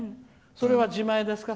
それは自前ですか？